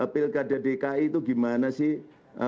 pilkada dki itu gimana sih